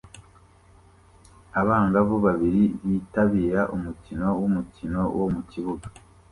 Abangavu babiri bitabira umukino wumukino wo mukibuga